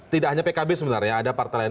tidak hanya pkb sebenarnya ada partai lain